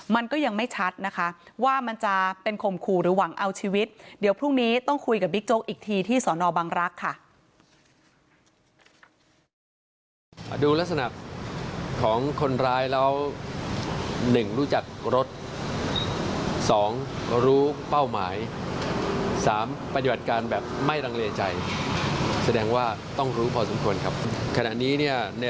มันก็ยังไม่ชัดนะคะว่ามันจะเป็นข่มขู่หรือหวังเอาชีวิตเดี๋ยวพรุ่งนี้ต้องคุยกับบิ๊กโจ๊กอีกทีที่สอนอบังรักษ์ค่ะ